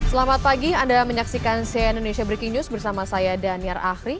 selamat pagi anda menyaksikan cnn news bersama saya daniar ahri